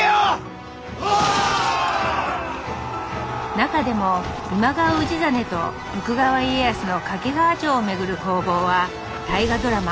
中でも今川氏真と徳川家康の掛川城を巡る攻防は大河ドラマ